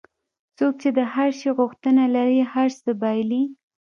څوک چې د هر شي غوښتنه لري هر څه بایلي.